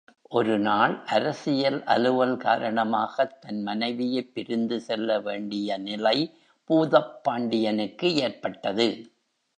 ஒருநாள், அரசியல் அலுவல் காரணமாகத் தன் மனைவியைப் பிரிந்து செல்ல வேண்டிய நிலை பூதப் பாண்டியனுக்கு ஏற்பட்டது.